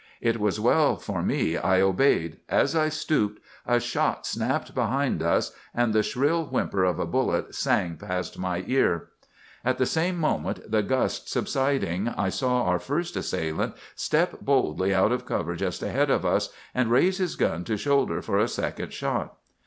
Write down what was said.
"It was well for me I obeyed. As I stooped, a shot snapped behind us, and the shrill whimper of a bullet sang past my ear. "At the same moment, the gust subsiding, I saw our first assailant step boldly out of cover just ahead of us, and raise his gun to shoulder for a second shot.